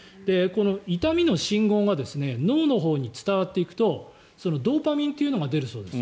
痛みの信号が脳のほうに伝わっていくとドーパミンというのが出るそうです。